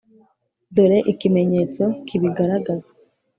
dore ikimenyetso kibigaragaza